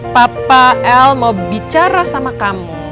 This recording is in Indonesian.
papa l mau bicara sama kamu